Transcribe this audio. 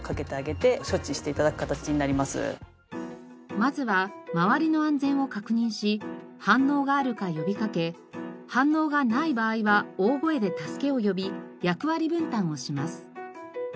まずは周りの安全を確認し反応があるか呼び掛け反応がない場合は大声で助けを呼び役割分担をします。